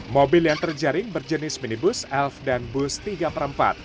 mobil yang terjaring berjenis minibus elf dan bus tiga per empat